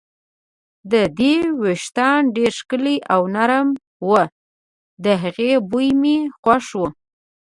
د دې وېښتان ډېر ښکلي او نرم وو، د هغې بوی مې خوښ و.